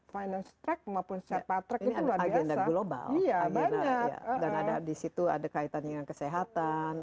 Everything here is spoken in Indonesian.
finance track maupun step by track itu luar biasa ini ada agenda global iya banyak dan ada di situ ada kaitan dengan kesehatan